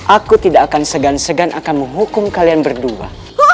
aku tidak akan segan segan akan menghukum kalian berdua